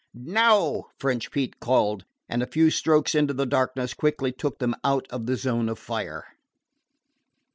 "Now!" French Pete called, and a few strokes into the darkness quickly took them out of the zone of fire.